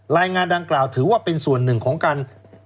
รายงานดังกล่าวถือว่าเป็นส่วนหนึ่งของการ